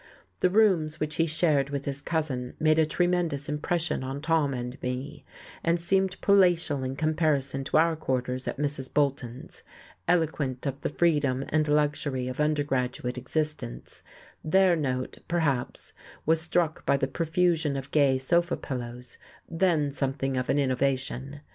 The rooms which he shared with his cousin made a tremendous impression on Tom and me, and seemed palatial in comparison to our quarters at Mrs. Bolton's, eloquent of the freedom and luxury of undergraduate existence; their note, perhaps, was struck by the profusion of gay sofa pillows, then something of an innovation.